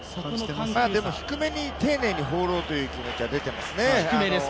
でも、低めに丁寧にボールを放るという気持ちは出ていますよね。